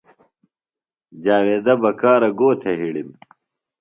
جاویدہ بکارہ گو تھے ہِڑم ؟